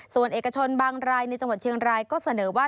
ส่วนเอกชนบางรายในจังหวัดเชียงรายก็เสนอว่า